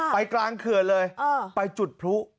ไปกลางเกือบเลยไปจุดพลุ